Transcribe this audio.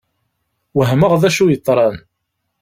Wehmeɣ d acu yeḍran.